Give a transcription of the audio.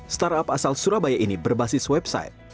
startup asal surabaya ini berbasis website